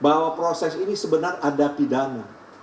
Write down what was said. bahwa proses ini sebenarnya ada pidana